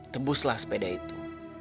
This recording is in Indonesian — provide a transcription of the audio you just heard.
tebuslah sepeda itu